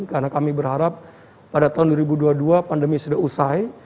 karena kami berharap pada tahun dua ribu dua puluh dua pandemi sudah usai